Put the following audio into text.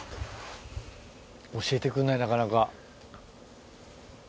教えてくれないなかなか。